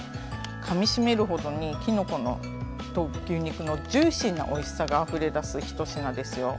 かみしめる程にきのこと牛肉のジューシーなおいしさがあふれ出す一品ですよ。